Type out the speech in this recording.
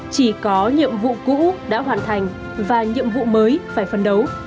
chỉ có nhiệm vụ cũ đã hoàn thành và nhiệm vụ mới phải phân đấu